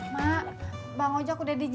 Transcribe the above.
nah makanya kita harus berhati hati